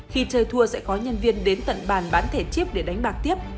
khi chơi thua sẽ có nhân viên đến tận bàn bán thẻ chip để đánh bạc tiếp